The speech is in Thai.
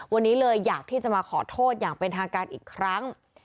วันนี้เลยอยากที่จะมาขอโทษอย่างเป็นทางการอีกครั้ง